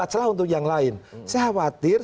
masalah untuk yang lain saya khawatir